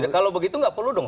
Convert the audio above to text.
kalau begitu nggak perlu dong